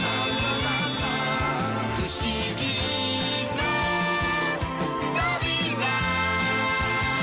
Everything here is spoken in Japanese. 「ふしぎのとびら！」